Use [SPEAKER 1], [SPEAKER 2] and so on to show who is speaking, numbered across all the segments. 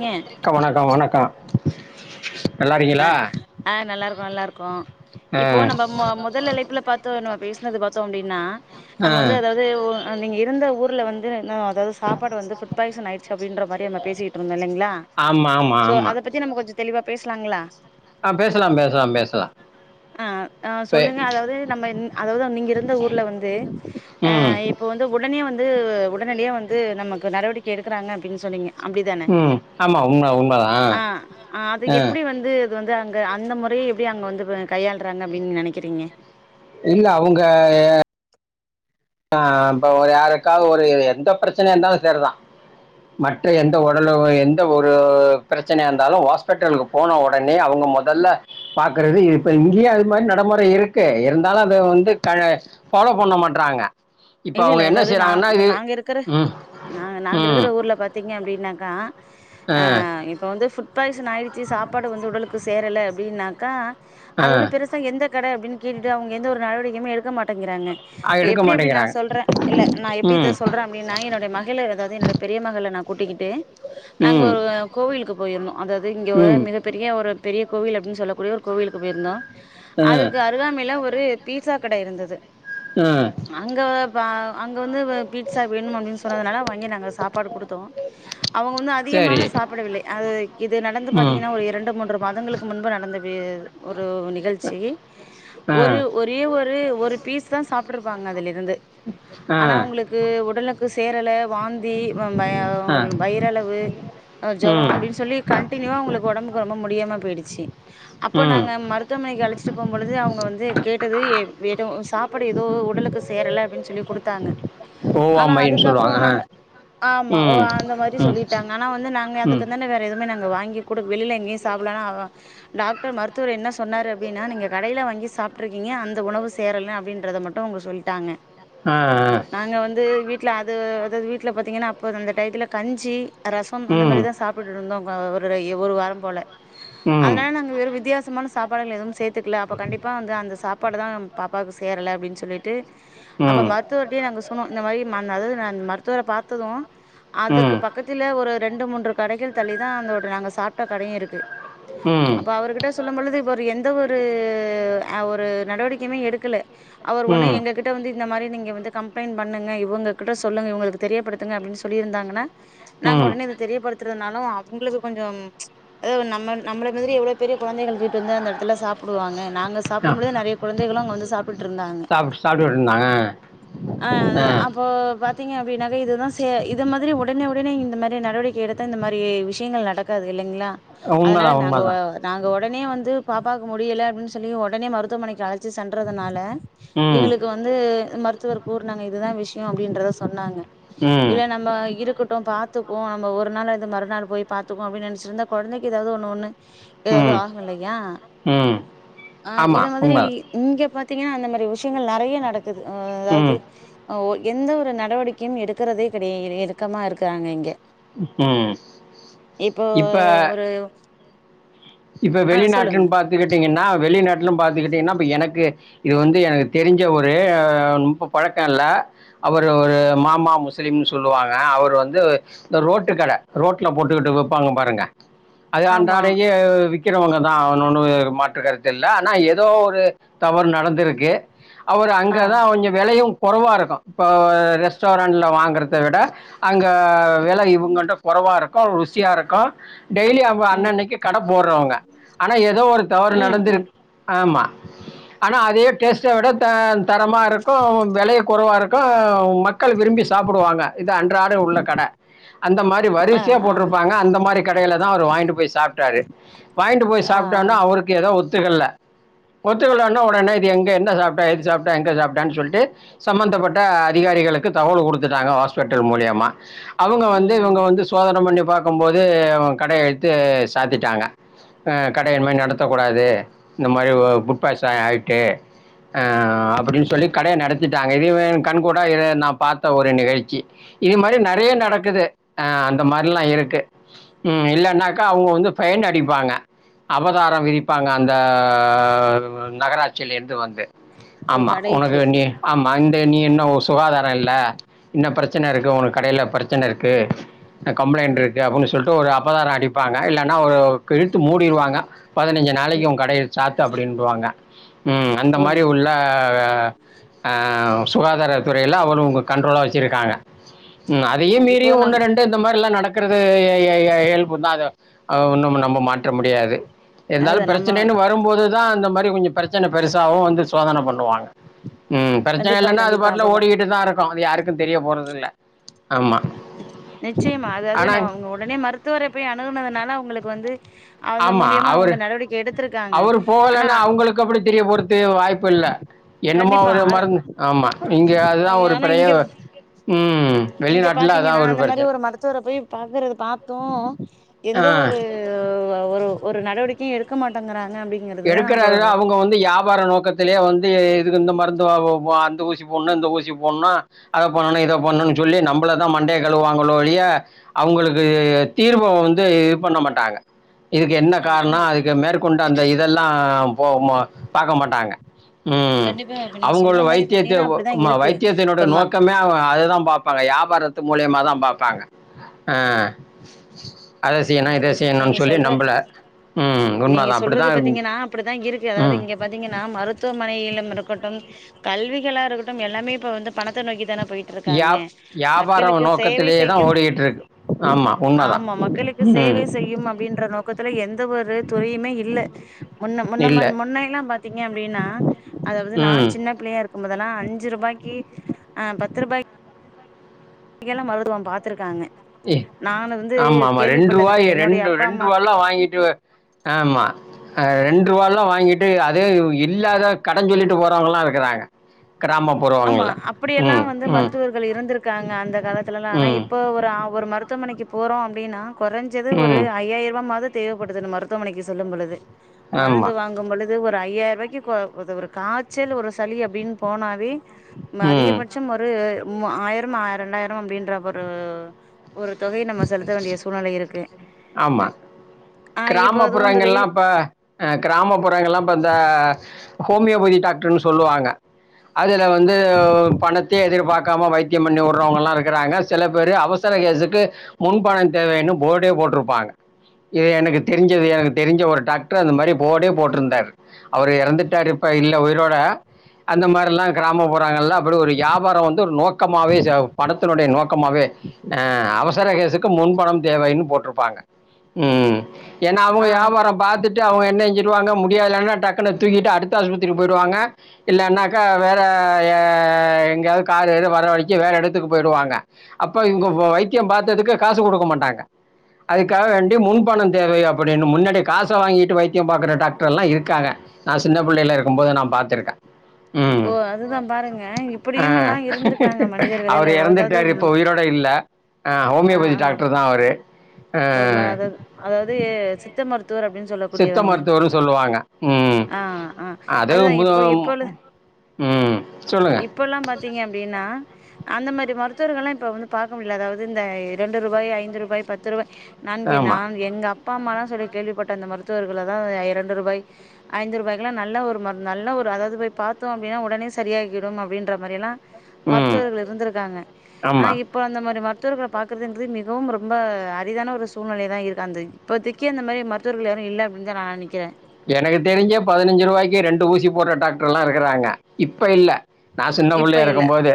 [SPEAKER 1] ஏ
[SPEAKER 2] க்க வணக்கோ வணக்கோ
[SPEAKER 1] அ ஆ நல்லாருக்கோ நல்லாருக்கோ
[SPEAKER 2] ஆ
[SPEAKER 1] இப்போ நம்ம மொ முதல் அழைப்புல பாத்தோ நம்ம பேசினது பாத்தோ அப்டின்னா
[SPEAKER 2] ஆ
[SPEAKER 1] நம்ம வந்து அதாவ து நீங்க இருந்த ஊர்ல வந்து என்ன அதாவது சாப்பாடு வந்து ஃபுட் பாய்சன் ஆயிடுச்சு அப்டின்ற மாரி நம்ம பேசிட்டு இருந்தோ இல்லைங்களா
[SPEAKER 2] ஆமாம் ஆமாம்
[SPEAKER 1] சோ அத
[SPEAKER 2] ஆமாம்
[SPEAKER 1] பத்தி நம்ம கொஞ்ச தெளிவா பேசலாங்ளா
[SPEAKER 2] ஆ பேசலாம் பேசலாம் பேசலா
[SPEAKER 1] ஆ அ சொல்லுங்க அதாவது நம்ம இந் அதாவது நீங்க இருந்த ஊர்ல வந்து ஆ
[SPEAKER 2] ம்
[SPEAKER 1] இப்போ வந்து உடனே வந்து உடனடியா வந்து நமக்கு நடவடிக்கை எடுக்குறாங்க அப்டின்னு சொன்னிங்க அப்டிதானே
[SPEAKER 2] ம் ஆமாம் உண்மை உண்மைதான்
[SPEAKER 1] ஆ ஆ அது எப் ப வந்து அது வந்து அங்க அந்த முறைய எப்டி அங்க வந்து கையாள்றாங்க அப்டின்னு நினைக்கிறீங்க
[SPEAKER 2] இல்ல அவுங்க ஆ இப்ப ஒரு யாருக்காவது ஒரு எந்த பிரச்சனயா இருந்தாலு செரிதா மற்ற எந்த உடலூ எந்த ஒரு பிரச்சனையா இருந்தாலு ஹாஸ்பிட்டலுக்கு போன ஒடனே அவுங்க மொதல்ல பாக்குறது இப்ப இங்கேயே அது மாரி நடமுறை இருக்கு இருந்தாலு அத வந்து கள ஃபாலோ பண்ண மாட்றாங்க இப்போ
[SPEAKER 1] இல்ல
[SPEAKER 2] அவங்க
[SPEAKER 1] இல்ல
[SPEAKER 2] என்ன
[SPEAKER 1] ஏதாவது நா
[SPEAKER 2] செய்கிறாங்கன்னா
[SPEAKER 1] இப்ப
[SPEAKER 2] இது
[SPEAKER 1] நாங்க இருக்குற
[SPEAKER 2] ம்
[SPEAKER 1] நாங்க நாங்க
[SPEAKER 2] ம்
[SPEAKER 1] இருக்கற ஊர்ல பாத் த்தீங்க அப்டின்னாக்கா அ
[SPEAKER 2] ஆ
[SPEAKER 1] இப்ப வந்து ஃபுட் ஃபுட் பாய்சன் ஆயிடுச்சு சாப்பாடு வந்து உடலுக்கு சேரல அப்டின்னாக்கா
[SPEAKER 2] ஆ
[SPEAKER 1] அது ஒன்னு பெரு சா எந்த கடை அப்டின்னு கேட்டுட்டு அவுங்க எந்த ஒரு நடவடிக்கையுமே எடுக்கமாட்டேங்கிறாங்க
[SPEAKER 2] அது எடுக்க மாட்டேங்கிறாங்க
[SPEAKER 1] சொல்றே இல்ல நா எப்டி இத
[SPEAKER 2] ம்
[SPEAKER 1] சொல்றே அப்டின்னா என்னோடே மகளே அதாது என்னுடைய பெரிய மகள நா கூட்டிக்கிட்டு நாங்க
[SPEAKER 2] ம்
[SPEAKER 1] ஒரு கோவிலுக்கு போயிருந்தோ அதாது இங்க ஓர்
[SPEAKER 2] ம்
[SPEAKER 1] மிக பெரிய ஒரு பெரிய கோவில் அப்டின்னு சொல்லக்கூடிய ஒரு கோவிலுக்கு போயிருந்தோ
[SPEAKER 2] ஆ
[SPEAKER 1] அதுக்கு அ அருகாமைல ஒரு பீஸா கடை இருந்தது
[SPEAKER 2] ஆ
[SPEAKER 1] அங்க ப அங்க வந்து பீட்சா வேணும் அப்டின்னு சொன்னதுனால வாங்கி நாங்க சாப்பாடு குடுத்தோ அவுங்க வந்து
[SPEAKER 2] சரி
[SPEAKER 1] அதிகமாக சாப்பிடவில்லை அது இது நடந்து
[SPEAKER 2] ம்
[SPEAKER 1] பாத்தீங்கன்னா ஒரு இரண்டு மூன்று மாதங்களுக்கு முன்பு நடந்த வே ஒரு நிகழ்ச்சி
[SPEAKER 2] ஆ
[SPEAKER 1] ஒரு ஒரு ஒரே ஒரு ஒரு பீஸ் தா சாப்புட்டு இருப்பாங்க அதுல இருந்து
[SPEAKER 2] ஆ
[SPEAKER 1] ஆனா அங்களுக்கு உடலுக்கு சேரல வாந்தி வ
[SPEAKER 2] ஆ
[SPEAKER 1] வயிற் இரத்த அளவு ஜூரோ
[SPEAKER 2] ம்
[SPEAKER 1] அப்டின்னு சொல்லி கண்டினியூவா அங்களுக்கு ஒடம்புக்கு ரொம்ப முடியாம போயிடுச்சி அப்போ
[SPEAKER 2] ம்
[SPEAKER 1] நாங்க மருத்துவமனைக்கு அழச்சிட்டு போம்பொழுது அவுங்க வந்து கேட்டது ஏ ஏதும் சாப் சாப்பாடு ஏதோ உடலுக்கு சேரல அப்டின்னு சொல்லி குடுத்தாங்க
[SPEAKER 2] ஓவா
[SPEAKER 1] ஆனா
[SPEAKER 2] மைன்னு சொல்லுவாங்க
[SPEAKER 1] அதுக்கப்புறம்
[SPEAKER 2] ஆ
[SPEAKER 1] நாங்க ஆமா ஓ
[SPEAKER 2] ம்
[SPEAKER 1] அந்த மாரி
[SPEAKER 2] ம்
[SPEAKER 1] சொல்லிட்டாங்க ஆனா வந்து நாங்க
[SPEAKER 2] ம்
[SPEAKER 1] அதுக்குன்னு பொண்ணுக்கு வேற எதுவுமே நாங்க வாங்கி குடுக் வெளில எங்கயு சாப்புட்லனா அவோ டாக்டர் மருத்துவர் என்ன சொன்னாரு அப்டின்னா நீங்க கடையில வாங்கி சாப்பிட்டு இருக்கீங்க அந்த உணவு சேரலன்னு அப்டின்றத மட்டு அவுங்க சொல்டாங்க
[SPEAKER 2] ஆ ஆ
[SPEAKER 1] நாங்க வந்து வீட்டில அது அதாது வீட்ல பாதீங்கன்னா அப்போது அந்த டையத்துல கஞ்சி ரசம் அந்த
[SPEAKER 2] ம்
[SPEAKER 1] மாரி தான் சாப் கூப்டுட்டு இருந்தோ க ஒரு இ ஒரு வாரம் போல
[SPEAKER 2] ம்
[SPEAKER 1] அதனால நாங்க வேறு வித்தியாசமான சாப்பாடுகள் எதுவும் சேத்துக்கல அப்ப கண்டிப்பா வந்து அந்த சாப்பாடு தா பாப்பாவுக்கு சேரல அப்டின்னு சொல்லிட்டு
[SPEAKER 2] ம்
[SPEAKER 1] அப்போ மருத்துவர்கிட்டயு நாங்க சொன்னோ இந்த மாரி மன் அதாது நான் மருத்துவர பாத்தது அதற்கு
[SPEAKER 2] ம்
[SPEAKER 1] பக்கத்துல ஒரு ரெண்டு மூன்று கடைகள் தள்ளிதா அந்த ஒரு நாங்க சாப்ட கடையு இருக்கு
[SPEAKER 2] ம்
[SPEAKER 1] அப்போ அவருகிட்ட சொல்லும்பொழுது இப்ப ஒரு எந்த ஒரு அ ஒரு நடவடிக்கையுமே எடுக்கல அவர் ஒன்னு
[SPEAKER 2] ம்
[SPEAKER 1] எங்க கிட்ட கிட்ட வந்து இந்த மாரி நீங்க வந்து கம்ப்ளைண்ட் பண்ணுங்க இவுங்ககிட்ட சொல்லுங்க இவுங்களுக்கு தெரியப்படுத்துங்க அப்டினு சொல்லி இருந்தாங்கன்னா நாங்க
[SPEAKER 2] ம்
[SPEAKER 1] உடனே இத தெரியப்படுத்துறதுனாலும் அவுங்களுக்கு கொஞ்சம் எவ் நம்ம நம்மளே மாதிரி எவ்ளோ பெரிய கொழந்தைகள் துக்கிட்டு வந்து அந்த எடத்துல சாப் புடுவாங்க நாங்க
[SPEAKER 2] ஆ சாப்பிட்டு
[SPEAKER 1] சாப்பிடும்பொழுது நறைய கொழந்தைகளு அங்க வந்து சாப்புட்டு இருந்தாங்க
[SPEAKER 2] சாப்புட்டு இருந்தாங்க
[SPEAKER 1] ஆ அது அப்
[SPEAKER 2] ஆ
[SPEAKER 1] இப்போ பாதீங்க அப்டின்னாக்கா இதுதா சே இது மாதிரி உடனே உடனே இந்த மாதிரி நடவடிக்கை எடுத்த இந்த மாரி விஷயங்கள் நடக்க நடக்காது இல்லைங்ளா அதனால
[SPEAKER 2] உண்மைதான்
[SPEAKER 1] நாங்க ஒ
[SPEAKER 2] உண்மைதான்
[SPEAKER 1] நாங்க ஒடனே வந்து பாப்பாவுக்கு முடியல அப்டின்னு சொல்லி ஒடனே மருத்துவமனைக்கு அழைச்சி சென்றதுனால
[SPEAKER 2] ம்
[SPEAKER 1] எங்களுக்கு வந்து மருத்துவர் கூறனாங்க இதுதா விஷயோ அப்டின்றத சொன்னாங்க
[SPEAKER 2] ம்
[SPEAKER 1] இல்ல நம்ம இருக்கட்டு பாத்துக்குவோ நம்ம ஒரு நாள் அது மறுநாள் போய் பாத்துக்குவோ அப்டின் நனைச்சிருந்தா கொழந்தைக்கு எதாவ்து ஒண்ணு ஒண்ணு இதெது
[SPEAKER 2] ம்
[SPEAKER 1] ஆகலையா
[SPEAKER 2] ம்
[SPEAKER 1] ஆ இத
[SPEAKER 2] ஆமாம்
[SPEAKER 1] மாதிரி
[SPEAKER 2] உண்மைதான்
[SPEAKER 1] இங்க பாத்தீங்கன்னா அந்த மாரி விஷயங்கள் நெறைய நடக்குது அ அதாவ்து
[SPEAKER 2] ம்
[SPEAKER 1] அ எந்த ஒரு நடவடிக்கையும் எடுக்கறதே கெடையே எடுக்கமா இருக்கறாங்க இங்க
[SPEAKER 2] ம்
[SPEAKER 1] இப்போ ஒரு
[SPEAKER 2] இப்ப
[SPEAKER 1] ஆ சொல்லுங்க
[SPEAKER 2] வெளிநாட்டுலன் பாத்துக்கிட்டிங்கன்னா வெளிநாட்லு பாத்துக்கிட்டீன்னா இப்ப எனக்கு இவ்ரு வந்து எனக்கு தெரிஞ்ச ஒரு ரொம்ப பழக்கல்ல அவரு ஒரு மாமா முஸ்லீம் சொல்லுவாங்க அவரு வந்து இந்த ரோட்டு கட ரோட்ல போட்டுக்கிட்டு விப்பாங்க பாருங்க அது
[SPEAKER 1] ஆமா
[SPEAKER 2] அன்றாடைக்கு விக்கிறவங்க தா அவனொன்னு மாற்று கருத்து இல்ல ஆனா எதோ ஒரு தவறு நடந்திருக்கு அவரு
[SPEAKER 1] ஆ
[SPEAKER 2] அங்கதா கொஞ்சோ வெலையு கொறவா இருக்கு இப்ப ரெஸ்டாரண்ட்ல வாங்கறத விட அங்க வெலை இவங்கள்ட்ட கொறவா இருக்கு ருசியாருக்கு டெய்லி அவ் ங்க
[SPEAKER 1] ம்
[SPEAKER 2] அண்ணன்னைக்கி கட போட்றவங்க ஆனா எதோ ஒரு தவறு
[SPEAKER 1] ம்
[SPEAKER 2] நடந்திரு
[SPEAKER 1] ம்
[SPEAKER 2] ஆமா ஆனா அதே டேஸ்ட்ட விட த தரமா இருக்கு வெலையு கொறவா இருக் கு மக்கள் விரும்பி சாப்புடுவாங்க இது அன்றாட உள்ள கட அந்த மாரி
[SPEAKER 1] ஆ
[SPEAKER 2] வரிசையா
[SPEAKER 1] ஆ
[SPEAKER 2] போட்ருப்பாங்க அந்த மாரி கடயில தா அவரு வாங்கிட்டு போய் சாப்ட்டாரு வாய்ண்ட்டு போய்
[SPEAKER 1] ஆ ஆ
[SPEAKER 2] சாப்பிட்டோனா அவருக்கு எதோ ஒத்துக்கல்ல ஒத்துக்கலனா ஒடனே இது எங்கே என்ன சாப்பிட்ட ஏது சாப்பிட்டா எங்கே சாப்பிட்டான் சொல்ட்டு சம்பந்தப்பட்ட அதிகாரிகளுக்கு தகவல் குடுத்துட்டாங்க ஹாஸ்பிட்டல் மூலியமா அவுங்க வந்து
[SPEAKER 1] ம்
[SPEAKER 2] இவுங்க வந்து சோதன பண்ணி பாக்கும்போது இவுங் கடைய இழுத்து சாத்திட் டாங்க அ கடைய இனிமே நடத்தக்கூடாது இந்த மாரி ஒ ஃபுட்பாய்ச அ ஆய்ட்டு அ அப்டின் சொல்லி கடைய நடத்திட்டாங்க இதுவே கண் கூட இதைய நா பாத்த ஒரு நிகழ்ச்சி இது மாரி நறைய நடக்குது அந்த மாரிலா இருக்கு ம் இல்லேனாக்கா அவுங்க வந்து பைய்ன அடிப்பாங்க அபதாரம் விதிப்பாங்க அந்த நகராட்சியில இருந்து வந்து
[SPEAKER 1] ஒரு
[SPEAKER 2] ஆமா ஒனக்கு
[SPEAKER 1] கடைக்கு
[SPEAKER 2] வேண்டி ஆமா இந்த நீ இன்னு சுகாதார இல்ல இன்னு பிரச்சன இருக்கு உங் கடைல பிரச்சன இருக்கு அ கம்ப்ளைண்டடு இருக்கு அப்டின் சொல்ட்டு ஒரு அபதார அடிப்பாங்க இல்லைன்னா ஒரு இழுத்து மூடிருவாங்க பதினஞ்சு நாளைக்கு
[SPEAKER 1] ம்
[SPEAKER 2] உ கடய சாத்து அப்டின்ட்ருவாங்க ம் அந்த மாரி உள்ள அ சுகாதாரத்துறையில அவுரு உங்க கண்ட்ரோலா வெச்சிருக்காங்க ம் அதயும் மீறி
[SPEAKER 1] இப்போ நம்
[SPEAKER 2] ஒன்னு ரெண்டு இந்த மாரில்லா நடக்கறது இ இ இ இயல்பு தா அது அது ஒன்னும் நம்ம மாற்ற முடியாது
[SPEAKER 1] அது
[SPEAKER 2] இருந்தாலு
[SPEAKER 1] நம்ம
[SPEAKER 2] பிரச்சனேனு வரும்போது தா அந்த மாரி கொஞ்சோ பிரச்சன பெருசாவு வந்து சோதன பண்ணுவாங்க ம் பிரச்சன
[SPEAKER 1] கண்டிப்பா
[SPEAKER 2] இல்லேன்னா அது
[SPEAKER 1] கண்டிப்பா
[SPEAKER 2] பாட்ல
[SPEAKER 1] அப்பப்ப
[SPEAKER 2] ஓடிக்கிட்டு தாருக் கு அது யாருக்கு தெரிய போறதில்ல ஆமா
[SPEAKER 1] நிச்சயமா அதாவ்து நம்ம அவுங்க உடனே மருத்துவர போய் அணுகனதுனால அவுங்களுக்கு வந்து அத
[SPEAKER 2] ஆமாம்
[SPEAKER 1] மூலியமா
[SPEAKER 2] அவர்
[SPEAKER 1] அவுங்க நடவடிக்கை எடுத்திருக்காங்க ஆனா
[SPEAKER 2] கப்படி தெரிய போறதே வாய்ப்பில்ல என்னமோ
[SPEAKER 1] கண்டிப்பா
[SPEAKER 2] ஒரு
[SPEAKER 1] அது
[SPEAKER 2] மருந்து ஆமா இங்க அதுதா ஒரு
[SPEAKER 1] ஆனா
[SPEAKER 2] பெரிய
[SPEAKER 1] இங்க
[SPEAKER 2] ம்
[SPEAKER 1] இங்க
[SPEAKER 2] வெளிநாட்டில அதா
[SPEAKER 1] பாத்தீங்கன்னா
[SPEAKER 2] ஒரு
[SPEAKER 1] அந்த மாரி
[SPEAKER 2] பிரச்சன்
[SPEAKER 1] மருத்துவர போய் பாக்கறது பாத்தோ எந்த
[SPEAKER 2] ஆ
[SPEAKER 1] ஒரு ஒரு ஒரு நடவடிக்கையு எடுக்க மாட்டேங்கிறாங்க அப்டி
[SPEAKER 2] எடுக்கற தா அவுங்க வந்து யா பார நோக்கத்திலயே வந்து இதுக்கு இந்த மருந்து வ்வா அந்த ஊசி போட்ணு இந்த ஊசி போட்ணா அத பண்ணணு இத பண்ணணு சொல்லி நம்பளதா மண்டைய கழுவாங்களோ ஒழிய அவுங்களுக்கு தீர்வ்வ வந்து இது பண்ண மாட்டாங்க இதுக்கு என்ன
[SPEAKER 1] ஆ ஆமா
[SPEAKER 2] காரணம் அதுக்கு மேற்கொண்டு அந்த இதெல்லா போ மா பாக்க மாட்டாங்க ம்
[SPEAKER 1] கண்டிப்பா இப்ப நீங்க சொல்ற
[SPEAKER 2] அவுங்களு
[SPEAKER 1] மாரி
[SPEAKER 2] வைத்தியத்த
[SPEAKER 1] பாத்தீங்கன்னா அப்டிதா
[SPEAKER 2] மா
[SPEAKER 1] இருக்கு
[SPEAKER 2] வைத்தியத்தினுடைய
[SPEAKER 1] இப்ப ம
[SPEAKER 2] நோக்கமே அவ் அததா பாப்பாங்க வியாபாரத்து மூலியமாதா பாப்பாங்க ஆ அத
[SPEAKER 1] இல்ல
[SPEAKER 2] செய்யணு இத
[SPEAKER 1] நீங்க நீங்க
[SPEAKER 2] செய்யணுன்னு சொல்லி
[SPEAKER 1] சொல்ற
[SPEAKER 2] நம்பல ம் உண்ம தா அப்டி தா
[SPEAKER 1] இங்க நானு அப்டிதா இருக்கு அதாவது இங்க பாத்தீங்கன்னா மருத்துவமனையிலும் இருக்கட்டும் கல்விகளாருக்கட்டும் எல்லாமே இப்ப வந்து பணத்தை நோக்கி தானே போயிட்டு இருக்காங்க
[SPEAKER 2] வியா- வியாபாரம்
[SPEAKER 1] மக்களுக்கு சேவை
[SPEAKER 2] நோக்கத்திலேயே தான்
[SPEAKER 1] செய்யும்
[SPEAKER 2] ஓடிக்கிட்டு இருக்கு. ஆமா, உண்மதான்.
[SPEAKER 1] ஆமா மக்களுக்கு
[SPEAKER 2] ம்.
[SPEAKER 1] சேவை செய்யும் அப்படின்ற நோக்கத்துல எந்த ஒரு துறையுமே இல்ல முன்ன முன்ன
[SPEAKER 2] இல்ல.
[SPEAKER 1] முன்னைய எல்லாம் பாத்தீங்க அப்டின்னா அதாவது நா
[SPEAKER 2] ம்.
[SPEAKER 1] சின்ன பிள்ளைங்க இருக்குபோதெல்லா அஞ்சு ரூபாய்க்கு பத்து ரூபாய்க்கு இங்கெல்லா மருதுவம் பாத்துருக்காங்க
[SPEAKER 2] ஏ
[SPEAKER 1] நானு வந்து
[SPEAKER 2] ஆமா ஆமா ரெண்டு
[SPEAKER 1] கேள்விப்பட்டது இப்ப
[SPEAKER 2] ரூவாய
[SPEAKER 1] என்னுடைய
[SPEAKER 2] ரெண்டு
[SPEAKER 1] அப்பா
[SPEAKER 2] ரெண்டு
[SPEAKER 1] அம்மா
[SPEAKER 2] ரூவாயல்லா வாங்கிட்டு ஆமா ஆ ரெண்டு ருவாலா வாங்கிட்டு அதே இல்லாத கடன் சொல்லிட்டு போறவங்கல்லா இருக்குறாங்க கிராம புறவங்கள்ல ம் ம் அப்டின்னா
[SPEAKER 1] இவர் இருந்திருக்காங்க அந்த காலத்தில் எல்லா ஆனா இப் ப ஒரு ஒரு மருத்துவமனைக்கு போறோ அப்டின்னா கொறஞ்சது ஒரு
[SPEAKER 2] ம்.
[SPEAKER 1] ஐயாயிரமாவது தேவபடுது மருத்துவமனைக்கு செல்லும் பொழுது
[SPEAKER 2] ஆமா.
[SPEAKER 1] மருந்து வாங்கும் பொழுது ஒரு ஐயாயிரவாய்க்கி கொ இது ஒரு காச்சல் ஒரு சளி அப்டின்னு போனாவே
[SPEAKER 2] ம்.
[SPEAKER 1] மதிகப பட்சம் ஒரு ஆயிரம் ஆயிரம் ரெண்டாயிரம் அப்டின்ற ஒரு ஒரு தொகை நம்ம செலுத்த வேண்டிய சூழ்நிலை இருக்கு
[SPEAKER 2] ஆமா.
[SPEAKER 1] ஆ இப்போது இந்த வெயில்
[SPEAKER 2] ஆ கிராமபுறங்கள் எல்லா பாத்தா ஹோமியோபதி டாக்டர்னு சொல்லுவாங்க அதுல வந்து பணத்தே எதிர்பார்க்காம வைத்யம் பண்ணி வுடுறவங்கலா இருக்றாங்க செல இப்பரு அவசர கேசுக்கு முன்பணம் தேவைன்னு போர்டே போட்டிருப்பாங்க ஏ எனக்கு தெருஞ்ச எனக்கு தெருஞ்ச ஒரு டாக்டர் அந்த மாதிரி போடே போட்ருந்தாரு அவர் எறந்துட்டாரு இப்ப இல்ல உயிரோட அந்த மார்லா கிராம புறங்கள்லாம் ஒரு ஒரு வியாபாரம் வந்து ஒரு நோக்கமாவே சேவ் பணத்தினுடைய நோக்கமாகாவே ஆ அவ சரகேசுக்கு முன்பணம் தேவைன்னு போட்டுருப்பாங்க ம் ஏன்னா அவுங்க
[SPEAKER 1] ஆ
[SPEAKER 2] வியாபாரம் பாத்து ட்டு அவுங்க என்ன செஞ்சிருவாங்க முடிலனா டக்குனு தூக்கிட்டு அடுத்த ஆஸ்பத்திரிக்கு போயிடுவாங்க இல்லன்னாக்க வேற ஏ எங்கையாவது காரு இரு வரவச்சு வேற எடத்துக்கு போயிடுவாங்க அப்ப இவுங்க வைத்தியம் பாத்ததுக்கு காசு கொடுக்க மாட்டாங்க அதுக்காக வேண்டி முன்பணம் தேவை அப்டின்னு முன்னாடி காச வாங்கிட்டு வைத்தியம் பாக்குற டாக்டர்லா இருக்காங்க நா சின்ன புள்ளைல இருக்கும்போது நா பாத்திருக்கே ம்
[SPEAKER 1] ஓ அதுதா பாருங்க
[SPEAKER 2] ஆ
[SPEAKER 1] இப்படியுமெல்லா இருந்திருக்காங்க மனிதர்கள்
[SPEAKER 2] அவர்
[SPEAKER 1] இல்ல அதாவது
[SPEAKER 2] இறந்துட்டாரு இப்ப உயிரோடு இப்ப இல்ல ஆ ஹோமியோபதி டாக்டர் தா அவரு ஆ
[SPEAKER 1] அத அதாவது சித்த மருத்துவர் அப்டின்னு
[SPEAKER 2] சித்த
[SPEAKER 1] சொல்லக்கூடியவங்க
[SPEAKER 2] மருத்துவர் சொல்லுவாங்க ம்
[SPEAKER 1] ஆ ஆ
[SPEAKER 2] அதுவு
[SPEAKER 1] அதுதா இப்போ
[SPEAKER 2] புதும்
[SPEAKER 1] இப்போல
[SPEAKER 2] ம் சொல்லுங்க
[SPEAKER 1] இப்ப எல்லாம் பாத்தீங்க அப்டின்னா அந்த மாதிரி மருத்துவர்கள் எல்லா இப்ப வந்து பாக்க முடில அதாவது இந்த இரண்டு ரூபாய் ஐந்து ரூபாய் பத்து ரூபாய் நன்கி நா
[SPEAKER 2] ஆமாம்
[SPEAKER 1] எங்க அப் அப்பா அம்மாலா சொல்லி கேள்விப்பட்டேன் அந்த மருத்துவர்கள் தான் இரண்டு ரூபாய் ஐந்து ரூபாய்க்குலா நல்ல ஒரு மரு நல்ல ஒரு அதாவது போய் பாத்தோ அப்டினா உடனே சரியாகிடும் அப்டின்ற மாரிலாம்
[SPEAKER 2] ம்
[SPEAKER 1] மருத்துவர்கள் இருந்திருக்காங்க ஆனா
[SPEAKER 2] ஆமாம்
[SPEAKER 1] இப்ப அந்த மாதிரி மருத் துவர்கள பாக்கறதுங்கிறது மிகவும் ரொம்ப அரிதான ஒரு சூழ்நிலை தான் இருக்கு அந்த இப்போதக்கி அந்த மாதிரி மருத் துவர்கள் யாரும் இல்லன்னு அப்டிதா நா நெனக்கிறே
[SPEAKER 2] எனக்கு தெரிஞ்சு பதினஞ்சு ரூவாய்க்கி ரெண்டு ஊசி போடுற டாக்டர்லாம் இருக்குறாங்க இப்போ இல்ல நா சின்ன
[SPEAKER 1] இப்ப
[SPEAKER 2] புள்ளயா
[SPEAKER 1] இல்ல
[SPEAKER 2] இருக்கும்போது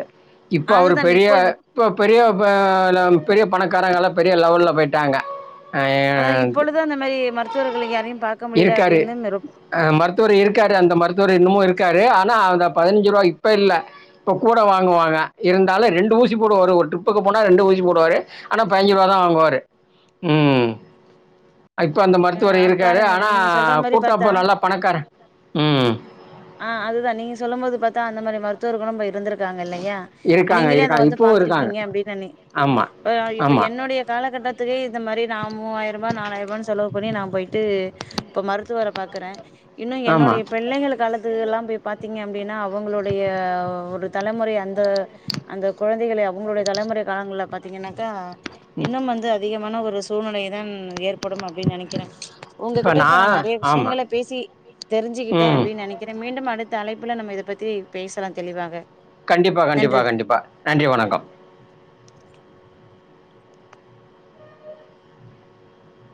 [SPEAKER 2] இப்ப அவரு
[SPEAKER 1] அதுதான்
[SPEAKER 2] பெரிய
[SPEAKER 1] இப்பொழுது
[SPEAKER 2] இப்ப பெரிய ப ல பெரிய பணக்காரங்களலா பெரிய லெவல்ல போயிட்டாங்க
[SPEAKER 1] அதா
[SPEAKER 2] அஹ்
[SPEAKER 1] இப்பொழுது அந்த மரி மருத்துவர்கள் இங்க யாரையு பாக்க முடில அப்டின்தா இந்த
[SPEAKER 2] அ மருத்துவர் இருக்காரு அந்த மருத்துவர் இன்னமு இருக்காரு ஆனா அந்த பதினஞ்சிருவா இப்ப இல்ல இப்ப கூட வாங்குவாங்க இருந்தாலு ரெண்டு ஊசி போடு ஒரு ஒரு ட்ரிப்புக்கு போனா ரெண்டு ஊசி போடுவாங்க ஆனா பய்ஞ்சுருவா தா வாங்குவாரு அ இப்ப அந்த மருத்துவர்
[SPEAKER 1] அ
[SPEAKER 2] இருக்காரு
[SPEAKER 1] பாருங்க இப்ப
[SPEAKER 2] ஆனா
[SPEAKER 1] நீங்க சொல்ற மாரி
[SPEAKER 2] கூட்டோ இப்ப
[SPEAKER 1] பாத்தா
[SPEAKER 2] நல்லா பணக்காரு ம்
[SPEAKER 1] ஆ அதுதா நீங்க சொல்லும்போது பாத்தா அந்த மாரி மருத்துவர்களு இப்ப இருந்துருக் தாங்க இல்லயா
[SPEAKER 2] இருக்காங்க
[SPEAKER 1] நீங்களே அத
[SPEAKER 2] இருக்காங்க
[SPEAKER 1] வந்து
[SPEAKER 2] இப்பவும் இருக்காங்க
[SPEAKER 1] பாத்துருக்கீங்க அப்டின் சொன்னிங்
[SPEAKER 2] ஆமா
[SPEAKER 1] ப்ப இப்ப
[SPEAKER 2] ஆமா
[SPEAKER 1] என்னுடைய காலகட்டத்துலியே இத மாரி நா மூவாய்ருபா நாலாய்ருபான் செலவு பண்ணி நா போயிட்டு இப்ப மருத்துவர பாக்குறே இன்னு
[SPEAKER 2] ஆமா
[SPEAKER 1] என்னுடைய பிள்ளைங்கள் காலத்துக்குல்லா போய் பாத்திங்க அப்டின்னா அவுங்களுடைய ஒரு தலைமுறை அந்த அந்த குழந்தைகள அவுங்ளுடைய தலைமுறை காலங்கள்ல பாத்தீங்கனாக்கா இன்னும் வந்து அதிகமான ஒரு சூழ்நிலை தா ஏற்ப படும் அப்டின் நெனைக்கிறே
[SPEAKER 2] இப்போ
[SPEAKER 1] உங்ககிட்ட இப்ப நா
[SPEAKER 2] நான்
[SPEAKER 1] நறைய
[SPEAKER 2] ஆமா
[SPEAKER 1] விஷயங்கள பேசி தெரிஞ்சிக்கிட்டே
[SPEAKER 2] ம்
[SPEAKER 1] அப்டின் நெனைக் கிறே மீண்டும் அடுத்த அழைப்புல நம்ம இத பத்தி பேசலா தெளிவாக
[SPEAKER 2] கண்டிப்பா
[SPEAKER 1] நன்றி
[SPEAKER 2] கண்டிப்பா கண்டிப்பா நன்றி வணக்கம்